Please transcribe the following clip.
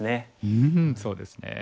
うんそうですね。